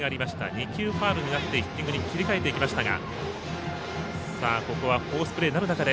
２球ファウルがあってヒッティングに切り替えていきましたが。